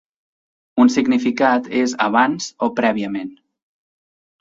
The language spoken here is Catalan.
Un significat és "abans" o "prèviament".